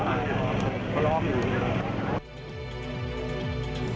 มาล้อมอยู่